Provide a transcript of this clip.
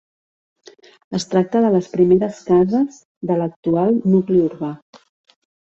Es tracta de les primeres cases de l'actual nucli urbà.